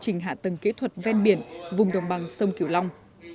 công trình hạ tầng kỹ thuật ven biển vùng đồng bằng sông kiều long